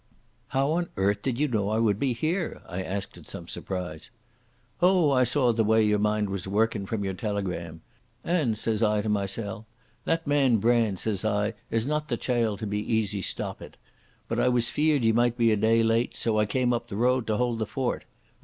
"How on earth did you know I would be here?" I asked in some surprise. "Oh, I saw the way your mind was workin' from your telegram. And says I to mysel'—that man Brand, says I, is not the chiel to be easy stoppit. But I was feared ye might be a day late, so I came up the road to hold the fort.